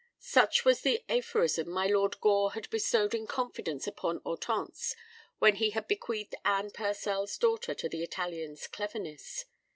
Such was the aphorism my Lord Gore had bestowed in confidence upon Hortense when he had bequeathed Anne Purcell's daughter to the Italian's cleverness.